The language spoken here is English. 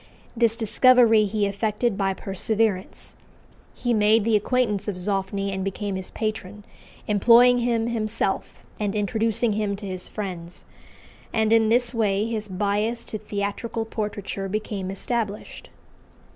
This discovery he effected by perseverance: he made the acquaintance of Zoffany and became his patron, employing him himself and introducing him to his friends; and in this way his bias to theatrical portraiture became established.